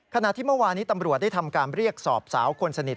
ขณะที่เมื่อวานี้ตำรวจได้ทำการเรียกสอบสาวคนสนิท